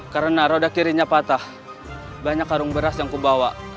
karena roda kirinya patah banyak karung beras yang kubawa